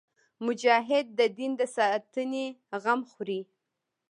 مجاهد د دین د ساتنې غم خوري.